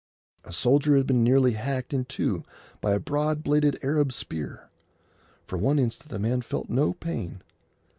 A soldier had been nearly hacked in two by a broad bladed Arab spear. For one instant the man felt no pain.